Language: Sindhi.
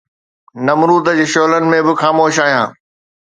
نمرود جي شعلن ۾ به خاموش آهيان